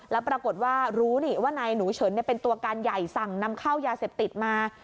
แล้วปรากฏว่ารู้นี่ว่านายหนูเฉินเป็นตัวการใหญ่สั่งนำเข้ายาเสพติดมา